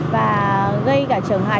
và gây cả trở ngại